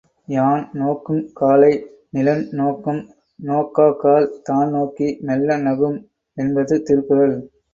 யான் நோக்குங் காலை நிலன்நோக்கும் நோக்காக்கால் தான்நோக்கி மெல்ல நகும். என்பது திருக்குறள்.